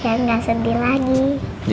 jangan gak sedih lagi